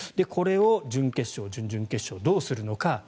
これを準決勝、準々決勝どうするのか。